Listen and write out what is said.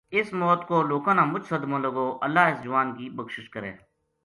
اس موت کو لوکاں نا مُچ صدمو لگو اللہ اس جوان کی بخشش کرے